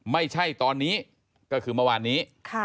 ไม่ใช่ตอนนี้ก็คือเมื่อวานนี้